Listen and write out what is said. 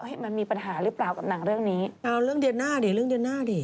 เอาเรื่องเดือนหน้าดิ